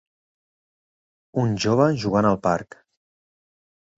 Un jove jugant al parc.